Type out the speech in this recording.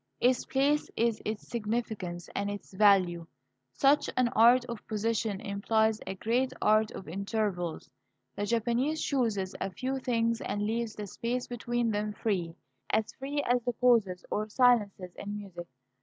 Its place is its significance and its value. Such an art of position implies a great art of intervals. The Japanese chooses a few things and leaves the space between them free, as free as the pauses or silences in music.